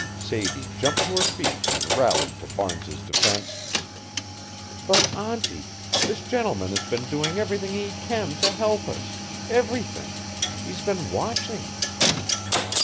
Sadie jumped to her feet and rallied to Barnes's defense: "But, auntie, this gentleman has been doing everything he can to help us everything. He's been watching."